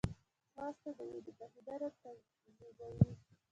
ځغاسته د وینې بهېدنه تنظیموي